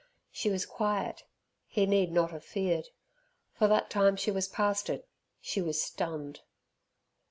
She was quiet, he need not have feared, for that time she was past it, she was stunned.